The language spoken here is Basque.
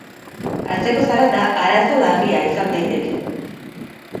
Atzeko zarata arazo larria izan daiteke.